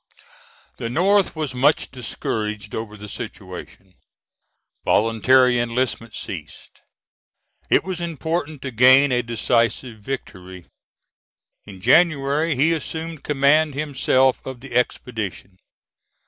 The North was much discouraged over the situation; voluntary enlistment ceased. It was important to gain a decisive victory. In January, he assumed command himself of the expedition.